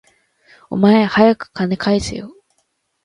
お前、はやく金返せよ